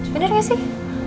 bener gak sih